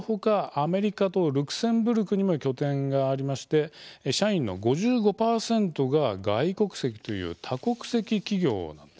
アメリカとルクセンブルクにも拠点がありまして社員の５５％が外国籍という多国籍企業なんですね。